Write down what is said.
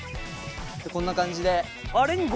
こんな感じで。